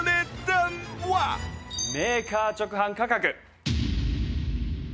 メーカー直販価格。